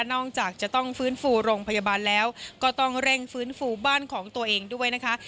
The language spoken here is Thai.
จากจะต้องฟื้นฟูโรงพยาบาลแล้วก็ต้องเร่งฟื้นฟูบ้านของตัวเองด้วยนะคะ